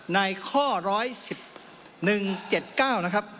ในข้อ๑๑๗๙นะครับ